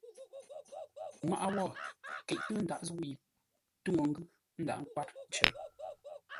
Nŋwaʼa wó keʼtə́ ndǎghʼ zə̂u yi túŋə́ ngʉ́ ndǎghʼ kwár cər.